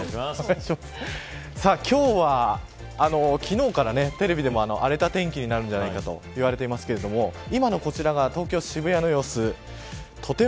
今日は昨日からテレビでも、荒れた天気になるんじゃないかと言われていますが今のこちらが東京、渋谷の様子。